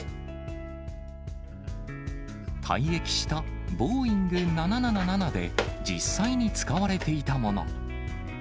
退役したボーイング７７７で、実際に使われていたもの。